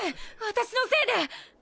私のせいで。